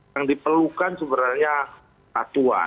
yang diperlukan sebenarnya atuan